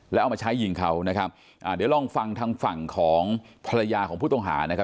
แล้วเอามาใช้ยิงเขานะครับอ่าเดี๋ยวลองฟังทางฝั่งของภรรยาของผู้ต้องหานะครับ